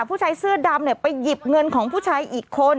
ผู้ใช้เสื้อดำเนี่ยไปหยิบเงินของผู้ใช้อีกคน